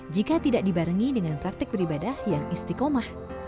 jika tidak dibarengi dengan praktik beribadah yang istiqomah